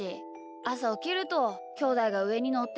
あさおきるときょうだいがうえにのってるし。